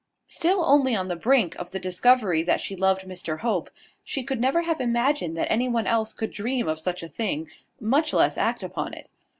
Still only on the brink of the discovery that she loved Mr Hope, she could never have imagined that any one else could dream of such a thing, much less act upon it.